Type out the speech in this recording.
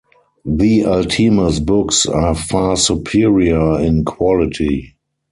The Altemus books are far superior in quality.